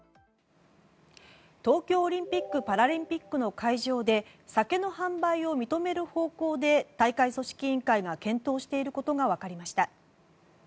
東京オリンピック・パラリンピックの会場で酒の販売を認める方向で大会組織委員会が検討していることが分かりました。